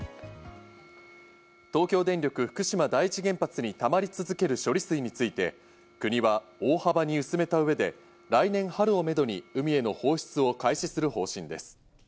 東京電力福島第一原発にたまり続ける処理水について、国は大幅に薄めた上で来年春をめどに海への放出を開始する方針です。